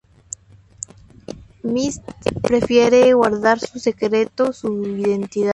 Myst prefiere guardar en secreto su identidad.